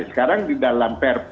sekarang di dalam prpr